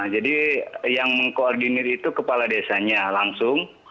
jadi yang mengkoordinir itu kepala desanya langsung